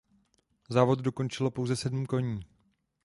Závod dokončilo pouze sedm koní.